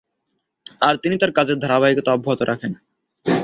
আর তিনি তার কাজের ধারাবাহিকতা অব্যহত রাখেন।